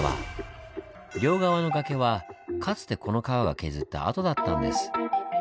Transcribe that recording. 両側の崖はかつてこの川が削った跡だったんです。